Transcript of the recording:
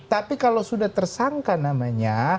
tapi kalau sudah tersangka namanya